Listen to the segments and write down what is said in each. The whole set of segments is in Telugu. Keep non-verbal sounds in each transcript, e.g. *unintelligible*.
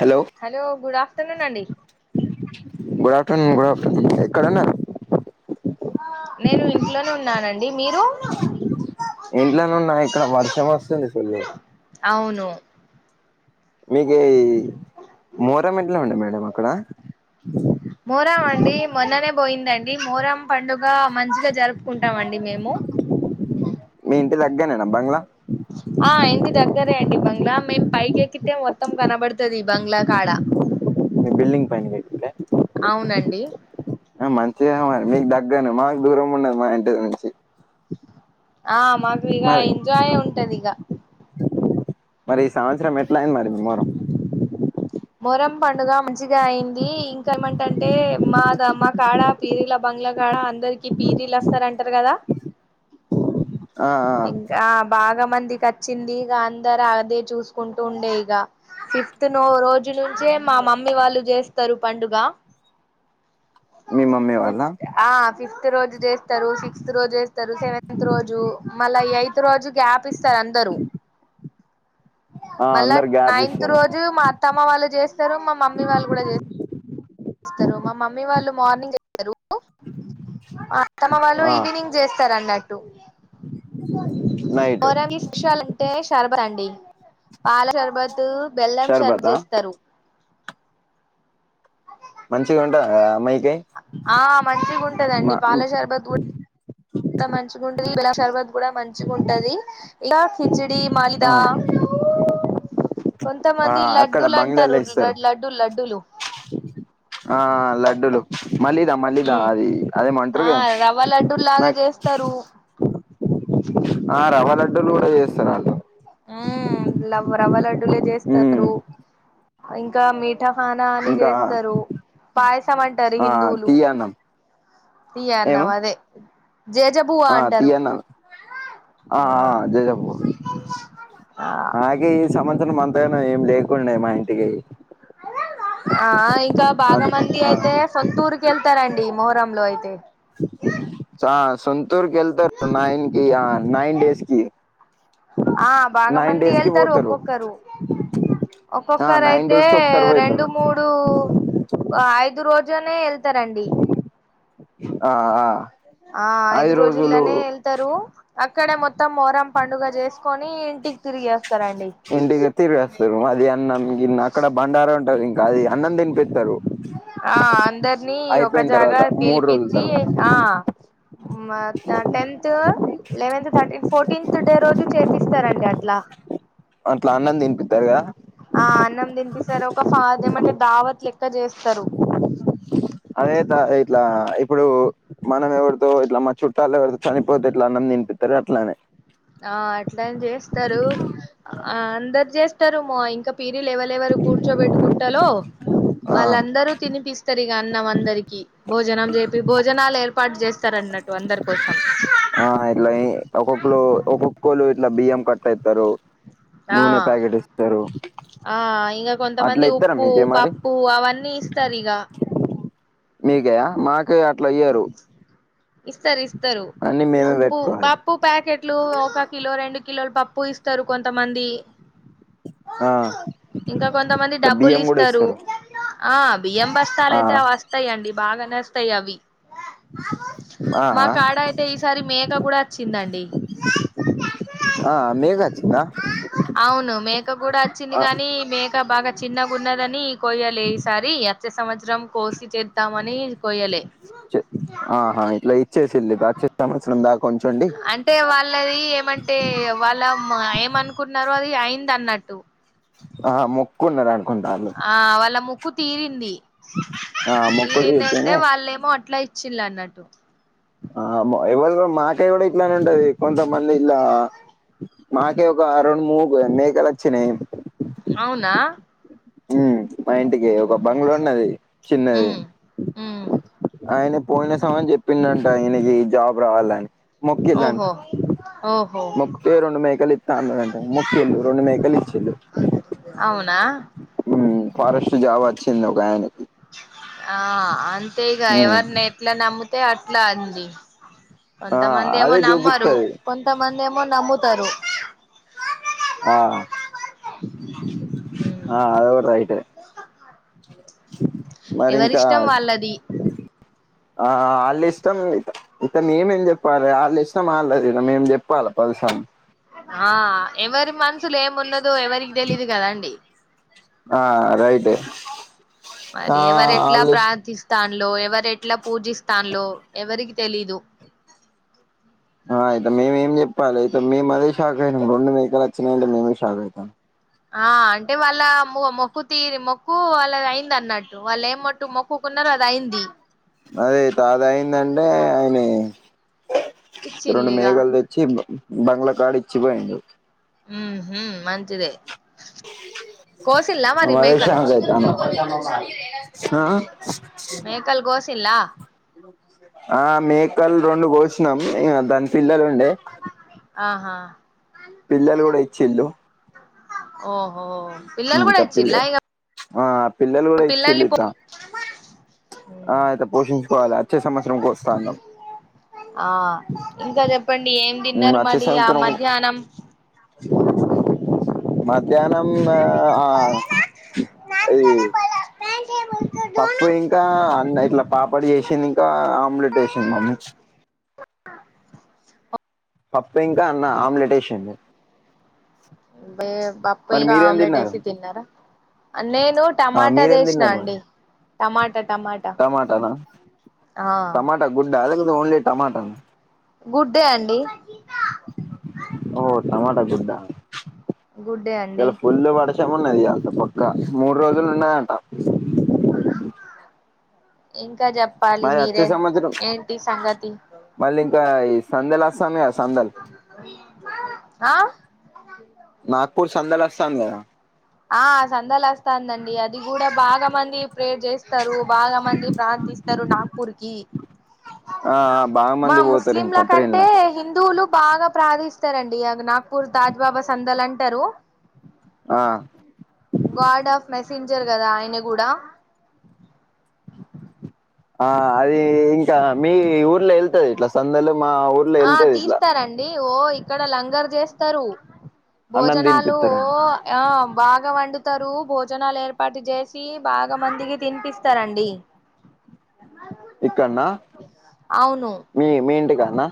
హలో హలో గుడ్ ఆఫ్టర్నూన్ అండి గుడ్ ఆఫ్టర్నూన్ గుడ్ ఆఫ్టర్నూన్ ఎక్కడన్నా నేను ఇంట్లోనే ఉన్నానండి మీరు ఇంట్లోనే ఉన్నా ఇక్కడ వర్షం వస్తుంది ఫుల్లు అవును మీకి మోరమెట్లో ఉండె మేడం అక్కడ మోరం అండి మొన్ననే పోయిందండి మోరం పండుగ మంచిగా జరుపుకుంటామండి మేము మీ ఇంటి దగ్గనేనా బంగ్లా ఆ ఇంటి దగ్గరే అండి ఈ బంగ్లా మేం పైకి ఎక్కితే మొత్తం కనబడుతది ఈ బంగ్లా కాడ ఆ మీ బిల్డింగ్ పైన వేట్ల అవునండి మంచిగా మరి మీకు తగ్గను మాకు దూరం ఉండది మా ఇంటి నుంచి ఆ మాకు ఇగ మరి ఎంజాయే ఉంటది ఇగ మరి ఈ సంవత్సరం ఎట్లా అయింది మరి మమ్మర మొహరం పండుగ మంచిగా అయింది ఇంకా ఏమంటంటే మాద మా కాడ పీరల బంగ్లాగా అందరికి పీరీలు వస్తారంటారు కదా ఆ ఆ ఇంకా బాగా మందికి వచ్చింది ఇగ అందరు అదే చూసుకుంటూ ఉండే ఇగ ఫిఫ్త్ నో రోజు ఫిఫ్త్ నుంచే మా మమ్మీ వాళ్ళు చేస్తారు పండుగ మీ మమ్మీ వాళ్ళ ఫిఫ్త్ ఆ ఫిఫ్త్ రోజు చేస్తారు సిక్స్త్ రోజు చేస్తారు సెవెంతత్ రోజు మళ్ళా ఎయిత్ రోజు గ్యాప్ ఇస్త రూ అందర ఆ మళ్ళా అందరు గ్యాప్ నైన్త్ ఇస్తారు రోజ్ జూ మా అత్తమ్మ వాళ్ళు చేస్తారు మా మమ్మీ వాళ్ళు కూడా చేస్తారు చేస్తారు మా మమ్మీ వాళ్ళు మార్నింగ్ చేస్తారు మా అత్తమ్మ వాళ్ళు ఆ వాళ్ళు ఈవినింగ్ చేస్తారు అన్నట్టు నైట్ మొహరం కీ స్పెషల్ అంటే షర్బత్ అండి పాల షర్బత్ బెల్లం షర్బత్ షర్బతా చేస్తారు మంచిగా ఉంటాద ఆ అమ్మాయికి ఆ మంచిగా ఉంటదండి పాలశర్బత్ కూడా మంచిగా ఉంటది నీలా శర్బత్ కూడా మంచిగా ఉంటది ఇక కిచీడి ఆ మాలీదా ఆ కొంతమంది అక్కడ లడ్డూలు అంటారు బంగ్లాలో ఇస్తారు లడ్డూల్ లడ్డూలు ఆ లడ్డూలు మళ్ళీదా మళ్ళీదా అది ఆ అదేమంటారు కదా రవ్వ లడ్డూ లాగా చేస్తారు ఆ రవ్వ లడ్డులు కూడా చేస్తారు ఉమ్ రవ్వ రవ్వ లడ్డూలే ఉమ్ చేస్తారు ఇంకా మీ ఠ ఖానా అని ఇంకా చేస్తారు పాయసం అంటారు ఆ హిందువులు తీయన్నం తీయ ఏమో అన్నం అదే జేజ ఆ తీయన్నా ఆ జయబ ఆ అగే ఈ సంవత్సరం అంతగానా ఏం లేకుండా మా ఇంటికి ఆ ఇంకా బాగా అంత మంది ఆ అయితే సొంతూర్కి వెళ్తారండి మొహరంలో అయితే సా సొన్ సొంతూరికి వెళ్తారు నైన్ కి నైన్ డేస్ కి ఆ బాగా నైన్ మంది డేస్ కి వెళ్తారు పోతారు ఒక్కొక్కరు ఆ ఒక్కొక్కరు నైన్ అయితే డేస్ కి ఒకసారి రెండు పోతారు మూడు ఐదు రోజునే వెళ్తారండి ఆ ఆ ఆ ఐదు రోజుల్నే వెల్ తారు అక్కడే మొత్తం మోరం పండుగ చేసుకొని ఇంటికి తిరిగి వాస్తారండి నాలుగు గిన్నె అక్కడ బండారం ఉంటారు ఇంకా అది అన్నం తిని పిస్తారు ఆ అందరినీ ఒక జాగా తర్వాత మూడు రోజుల పిలిపించి తర్వాత ఆ మ అత్త tenth eleventh thirteen fourteenth day రోజు చేపిస్తారండి అట్లా అట్లా ఆన్నం తినిపిద్దారు కదా ఆ అన్నం తినిపిస్తారు ఒక ఫదం అంటే దావత్ లెక్క చేస్తారు అదే దా ఇట్లా ఇప్పుడు మనం ఎవరితో ఇట్లా మా చుట్టాలాలు ఎవరితో చనిపోతే ఎట్లా అన్నం తినిపితారు అట్లనే ఆ అట్లాని చేస్తారు అందరు చేస్తారు మా ఇంకా పీరిలు ఎవరెవరు కూర్చోబెట్టుకుంటలో ఆ వాళ్ళ ఆన్ అందరు తినిపిస్తారుగా అన్నాం అందరికి భోజనం చేపి భోజనాలు ఏర్పాటు చేస్తారన్నట్టు అందరి కోసం ఆ ఇట్లా ఒక్కొక్కరు ఒక్కొక్కళ్ళు ఇట్లా బియ్యం కట్ట ఎత్తారు ఆ నూనె ప్యాకెట్ ఇస్తారు ఆ ఇగ అట్లా కొంతమంది ఇస్తారా ఉప్పు మీకే పప్పు అవన్నీ ఇస్తారు ఇగ మీక్ కదా మాకు అట్లా ఇయ్యారు ఇస్తారు ఇస్తారు మేమే ఉప్పు పెట్టుకోవాలి పప్పు ప్యాకెట్లు ఒక కిలో రెండు కిలోలు పప్పు ఇస్తారు కొంతమంది ఆ ఇంకా కొంతమంది ఇట్లా డబ్బులు బియ్యం కూడా ఇస్తారు ఆ బియ్యం బస్తాలు ఆ అయితే వస్ వస్తాయండి బాగనే వస్తాయి అవి ఆ మా కాడ అయితే ఈసారి మేక కూడా వచ్చిందండి ఆ మేకోచ్చిందా అవును మేక కూడా వచ్చింది కాని మేక బాగా చిన్నగా ఉన్నదని కోయ్యలే ఈసారి అచ్చే సంవత్సరం కోసి చేద్దామని కోయ్యలే ఆహా ఇట్లా ఇచ్చేసిల్లు అచ్చే సంవత్సరం దాకుం అంటే వాళ్ళది ఏమంటే ఏ వాళ్ళ ఏమనుకున్నారో అది అయిందన్నట్టు ఆ మొక్ కున్నరనుకుంటా ఆ వాళ్ళ మొక్కు తీరింది ఆ మొక్కు తీరిందంటే తీరితేనే వాళ్ళేమో అట్లా ఇ చిల్లన్నట్టు ఆ ఎవళ మాకేళి కూడా ఇట్లానే ఉంటది కొంత ఇలా మాకే ఒక రెండు ముడు మేకలోచ్చినాయి అవునా మ్ మా ఇంటికి ఒక బంగులున్నది చిన్నది ఉమ్ ఉమ్ ఆయన పోయిన సమ్ చెప్పిందంట ఇయనకి జాబ్ రావాలని మొక్కిళంట ఓహో ఓహో మొక్కితే రెండు మేకలు ఇత్త అన్నరంట మొక్కిల్లు రెండు మేకలు ఇచ్చిళ్ళు అవునా మ్ ఫారెస్ట్ జాబ్ వచ్చింది ఒకయనకి ఆ అంతే ఇగ హ్మ్ ఎవరిని ఎట్లా నమ్ముతే అట్లా అండి ఆ కొంతమంది అదే ఏమో నమ్మరు చూపిత్తది కొంతమంది ఏమో నమ్ముతారు ఆ ఉమ్ ఆది కూడా రైటే మరింకా ఎవరిష్టం వాళ్ళది ఆ అల్ ఇష్టం అత్ ఇంకా మేమేం చెప్పాలే వాళ్ళు ఇష్టం వాళ్ళది మేము చెప్పలే పదిసర్లు ఆ ఎవరు మన్ సులేమున్నదో ఎవరికి తెలీయదు కదండి ఆ రైటే ఆ మరి ఎవరు ఎట్లా ఆళ్ళ ఇష్ ప్రార్థిస్ తంళ్ళో ఎవరు ఎట్లా పూజిస్థంళ్ళో ఎవరికి తెలీదు ఆ అయితే మేమేం చెప్పాలే అయితే మేము అదే షాక్ అయినాం రేండు మేకలు వచ్చినాయంటే మిమే షాక్ అవుతానం ఆ అంటే వాళ్ళ మొక్కు తీరి మొక్కు వాళ్ళ అయింది అన్నట్టు వాళ్ళు మొట్ మొక్ క్కుకునారో అది అయింది అదే అయితే అయిందంటే ఆయన రెండు ఇచ్చిల్లిగా మేకల్ తెచ్ చ్చి బంగ్లాకాడ ఇచ్చిపోయిండు మ్ హు మంచిదే కోసిల్లా మరి మేకలు *unintelligible* ఆ ఆ మేకల్ గోసిల్ల ఆ మేకల్ రెండు కోషినాం ఇగ దాని పిల్లలుండే ఆహా పిల్లల్ కూడా ఇచ్చిల్లు ఓహో పిల్లలు ఇంత కూడా ఇచిన్ల పిల్ల ఇగా ఆ పిల్లలు కూడా ఇచిన్లు ఇంకా ఆ అయితే పోషించుకోవాలి ఆచ్చే సంవత్సరం కోస్తా అన్నాం ఆ ఇంకా చెప్పండి ఏం మ్మ్ తిన్నారు వచ్చే మడి ఆ సంవత్సరం మధ్యాహ్నం మధ్యాహ్నం ఆ ఇది పప్పు ఇంకా అ ఇట్లా పాపడి చేసింది ఇంకా ఆమ్లెట్ ఏసింది మమ్మీ ఓ పప్పు ఇంకా అన్న ఆమ్లెట్ ఏషింది బే పప్పు మరి ఇంకా మీరేం ఆమ్లేట్ తిన్నారు వేసి తిన్నారా నేను ఆ టమాటా మీరేం దేసిన తిన్నారు అండి మరి టమాటా టమాటా టమాటానా ఆ టమాటా గుడ్డా లేకపోతే ఓన్లీ టమాటానా గుడ్డే అండి ఓ టమాటా గుడ్డా గుడ్డే అండి ఇయల ఫుల్లు వర్ష శం మున్నది అంత పక్క మూడు రోజులు ఉన్నాదంట ఇంకా జేప్పాలి మరి వచ్చే మీరే సంవత్సరం ఏంటి సంగతి మళ్ళీ ఇంకా ఈ సందల్ వస్తాన్నాయ సందల్ ఆ నాగపూర్ సందేల్ అస్తంది కదా ఆ సందల్ అస్ తందండి అది కూడా బాగా మంది ప్రేర్ చేస్తారు బాగా మంది ప్రార్థిస్ తరు నాగ్పూర్ కి ఆ బాగా మా మంది పోతారు ఇంకా ముస్లింలకంటే ట్రైన్ల హిందువులు బాగా ప్రార్థిస్తారండి అది నాగ్పూర్ తాజ్ బాబా సందల్ అంటారు ఆ గాడ్ ఆఫ్ మెసెంజర్ కదా ఆయన కూడా ఆ అది ఇంకా మీ ఊర్లో వెళ్తది ఇట్లా సందలు మా ఊర్ ఆ తీస్తారండి ఓ ఇక్కడ లంగర్ చేస్తారు అన్నం భోజనాలు తినిపిస్తారని ఓ ఆ బాగా వండుతారు భోజనాలు ఏర్పాటు చేసి బాగా మందికి తినిపిస్తారండి ఇక్కన్నా అవును మీ మీ ఇంటికాడన్నా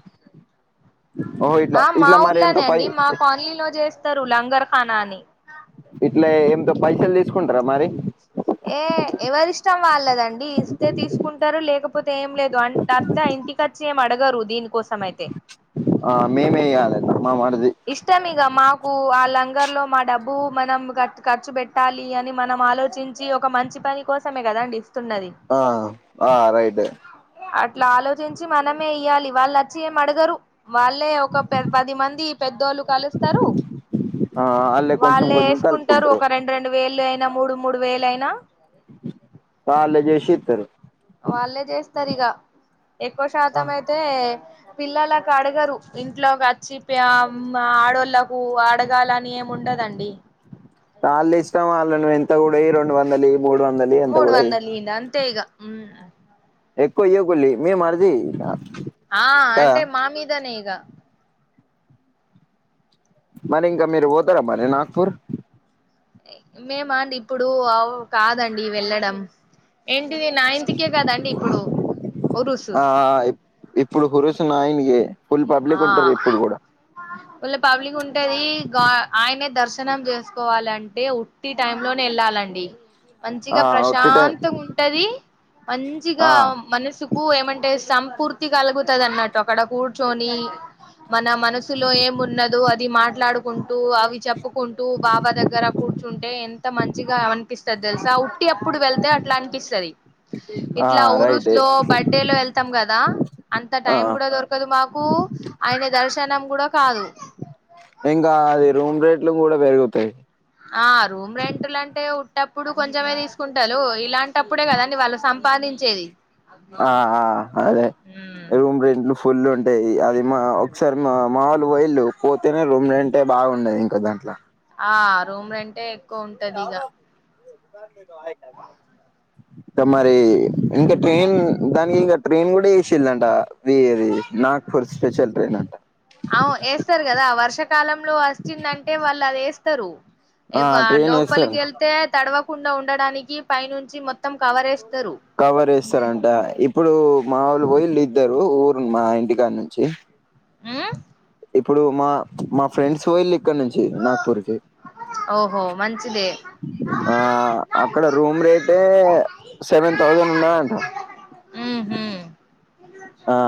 ఓ ఇ ఆ మా ఊర్లోనే అండి మా కాలనీలో చేస్తారు లంగర్ఖానా అని ఇట్లే ఏంతో పైసలు తీసుకుంటార మరి ఏ ఎవరిష్టం వాళ్ళదండి ఇస్తే తీసుకుంటారు లేకపోతే ఏం లేదు అంట దన్ సా ఇంటికచ్చి ఏం అడగరు దీనికోసం అయితే ఆ మే మే ఇయ్యాలి మా మరిది ఇష్టం ఇగ మాకు ఆ లంగర్ లో మా డబ్బు మనం ఖర్చు పెట్టాలి అని మనం ఆలోచించ్ చి ఒక మంచి పని కోసమే కదండి ఇస్తున్నది ఆ ఆ రైటే అట్లా ఆలోచించి మనమే ఇయ్యాలి వాళ్ళచ్చి ఏం అడగరు వాళ్ళే ఒక పది మంది పెద్దోళ్ళు కలుస్తారు ఆ ఆళ్ళే కొంచెం వాళ్ళే కొంచెం వేసుకుంటారు కలుపుకుంటారు ఒక రెండు రెండు వేలయినా మూడు మూడు వేలయినా వాళ్ళే జేసి యితరు వాళ్ళే చేస్తారు ఇక ఎక్కువ శాతం అయితే పిల్లలకు అడగరు ఇంట్లోకి వచ్చి మ్మా ఆడోళ్ళలకు అడగాలని ఉండదండి తాళ్లు వేసినా వాళ్ళను ఎంత కూడా ఈ రెండు వందలు ఇయ్యి మూడు వందలు ఈయ్ మూడు వందలు ఇయి అంతే ఇగ ఉ ఎక్కువ ఇయ్యకుళి మీ మరిది ఆ కదా అంటే మా మీదనే ఇగ మరి ఇంకా మీరు పోతారా మరి నాగ్పూర్ మేమండి ఇప్పుడు ఔ కాదండి వెళ్ళడం ఏంటిది నా ఇంటికే కదండి ఇప్పుడు ఉరుసు ఆ ఇప్పుడు కురుస్తున్నది ఏ ఆ ఫుల్లు పబ్లిక్ ఉంటది గా ఆయనే దర్శనం చేసుకోవాలంటే ఈ టైంలోనే వెళ్ళాలండి ఆ మంచిగా ఒట్టి టైం ప్రశాంతంగా ఉంటది మంచిగా ఆ మనసు ఉప్పు ఏమంటే సంపూర్తి కలుగుతుంది అన్నట్టు అక్కడ కూర్చొని మన మనసులో ఏం ఉన్నదో అది మాట్లాడు కుంటూ అవి చెప్పుకుంటూ బాబా దగ్గర కూర్చుంటే ఎంత మంచిగా అనిపిస్తుంది తెలుసా ఇ అప్పుడు వెళ్తే అట్లా అనిపిస్తుది ఆ ఇట్లా రైటే ఊరూస్లో బర్త్డే లో వెళ్తాం కదా అంత ఆ టైం కూడా దొరకదు మాకు ఆయన దర్శనం కూడా కాదు ఇంకా అది రూమ్ రేట్లు కూడా పెరుగుతాయి ఆ రూమ్ రెంట్లుంటే ఉట్టప్పుడు కొంచమే తీసుకుంటరు ఇలాంటప్పుడే కదండి వాళ్ళు సం సంపాదించేది ఆహా అదే రూమ్ రెంట్లు ఫుల్ ఉంటాయి అది మా ఒకసారి మా మావోలు పోయిళు పోతనే రూమ్ రెంటే బాగున్నది ఇంకా దాంట్లో ఆ రూమ్ రెంటే ఎక్కువ ఉంటది ఇగ ఇంకా మరీ ఇంకా ట్రైన్ దానికి ఇంకా ట్రైన్ కూడా వేసిన్లటా వి నాగ్పూర్ స్పెషల్ ట్రైనంట అవు వేస్తారు కదా వర్షాకాలంలో వచ్చిందంటే వాళ్ళు అది వేస్తారు ఆ ఎవ్వ ట్రైన్ వేస్తారు లోపలికి వెళ్తే తడవకుండా ఉండడానికి పైనుంచి మొత్తం మొత్తం కవర్ చేస్తారు డ ఇప్ ఇప్పుడు మావోళ్లు పోయీళ్లు ఇద్దరు ఊరు మా ఇంటికాని నుంచి ఉమ్ ఇప్పుడు మా మా ఫ్రెండ్స్ పోయిళ్ళు ఇక్కడ నుంచి నాగ్పూర్ కి ఓహో మంచిదే ఆ అక్కడ రూమ్ రేటే సెవెన్ థౌజండ్ ఉన్నదంట ఉహు ఆ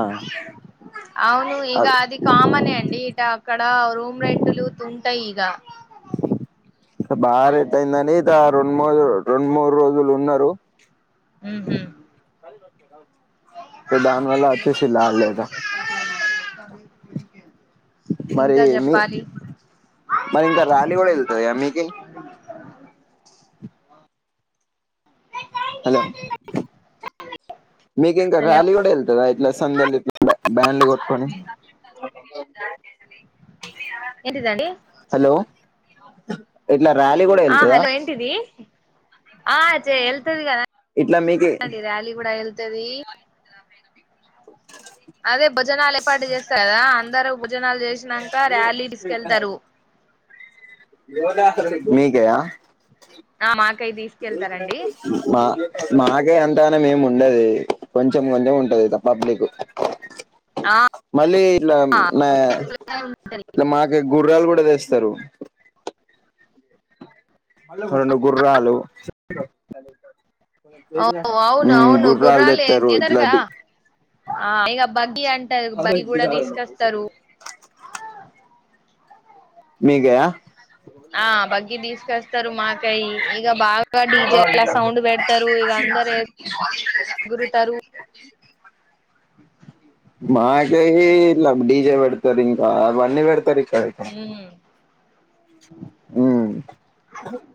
అవును అ ఈగ అది కామనే అండి ఈటా అక్కడ రూమ్ రెట్లు తూంటాయి ఇగ బాగ రేటయిందని గా రొండు మూడు రో రొండు మూడు రోజులున్నరు ఉమ్ హు దాన్ వాళ్ళ అచ్చేసిల్లా ఆడ్లేదా ఇంక చెప్పాలి బ ఇంక రాలీ కూడ ఎళ్తదిగదా మీకేలీ మీకింకా హలో ర్యాలీ కూడ ఎళ్తదా ఇట్ల సందేల్లి బ్య బ్యాండ్లు కొట్టుకొని ఏంటి దండి ఇట్ల ర్యాలీ గూడ ఎళ్తదా టిడది ఆ చె ఎళ్తది ఇట్లా మీకి కదాండి ర్యాలీ కూడ ఎళ్తది అదే బొజనాలు ఏర్పాటు చేస్తరు గదా అందరూ బొజనాలు చేసినంక ర్యాలీ తీస్కెళ్తరు మీకేయా ఆ మాకై తీస్ గు మా మాకేయి అంతగనం ఏమి ఉండదు కొంచెం కొంచెం ఉంటది త ప్పబ్లిక్ ఆ మళ్ళీ ఇట్ల మా మాకేలి గుర్రాలు కూడా తెస్తరు రొండు గుర్రాలు ఓ అవును ఉమ్ అవును గుర్రాలు తెత్తరు ఎదరుగా ఇట్లాంటి ఆ ఇగ బగ్గి అంటరు బగ్గి కూడ తీసుకొస్తరు మీ గేయా ఆ బగ్గి తీసుకొస్తరు మాకయ్యి ఇగ బాగ డీ జే లా సౌండ్ పెడతరు ఇగ అందరు గురుతరు అ మాగైత్ ఈలా డీ జే పెడతరు ఇంక అవన్నీ పెడతరిక్కడ ఉమ్ ఉమ్